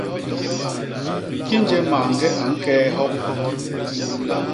Kinje mañge a ñkee hop!